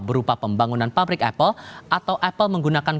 berupa pembangunan pabrik apple atau apple menggunakan